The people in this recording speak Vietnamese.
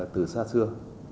từ xa xưa